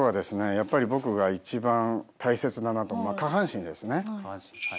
やっぱり僕が一番大切だなと思う下半身ですね。